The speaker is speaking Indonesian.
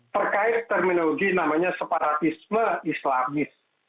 terkait terminologi namanya separatisme islamis